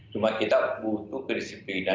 cuma kita butuh kedisiplinan